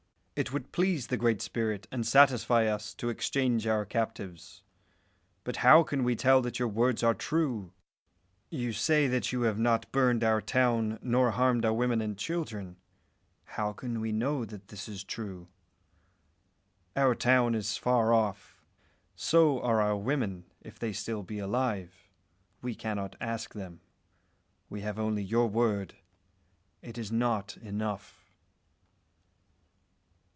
It would please the Great Spirit and satisfy us to exchange our captives; but how can we tell that your words are true? You say that you have not burned our town nor harmed our women and children. How can we know that this is true? Our town is far off; so are our women, if they be still alive. We cannot ask them. We have only your word. It is not enough."